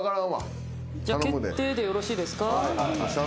じゃあ決定でよろしいですか？